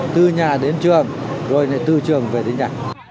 từ nhà đến trường rồi từ trường về đến nhà